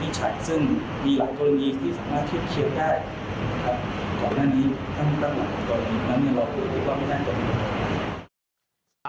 โปรแจนาฬิน